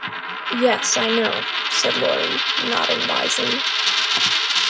"Yes, I know," said Laurie, nodding wisely.